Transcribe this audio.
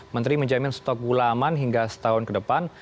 menteri menjamin stok gula aman hingga setahun ke depan